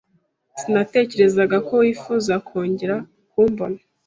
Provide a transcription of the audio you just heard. Sinatekerezaga ko wifuza kongera kumbona.